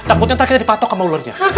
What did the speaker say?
takutnya nanti kita dipatok sama ularnya